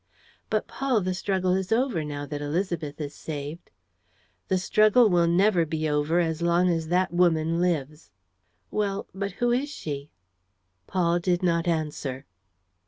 "But, Paul, the struggle is over, now that Élisabeth is saved." "The struggle will never be over as long as that woman lives." "Well, but who is she?" Paul did not answer.